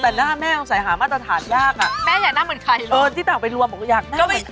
แต่หน้าแม่ต้องใส่หามาตรฐานยาก